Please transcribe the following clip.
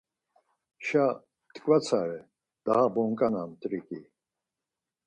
Şa p̌t̆ǩvatsare daha bonǩanam t̆riǩi